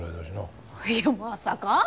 いやまさかあ。